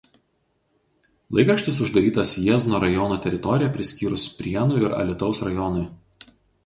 Laikraštis uždarytas Jiezno rajono teritoriją priskyrus Prienų ir Alytaus rajonui.